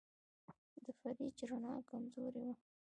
د فریج رڼا کمزورې وه.